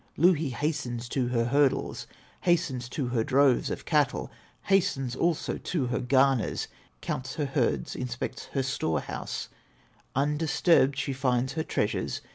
Louhi hastens to her hurdles, Hastens to her droves of cattle, Hastens also to her garners, Counts her herds, inspects her store house; Undisturbed she finds her treasures.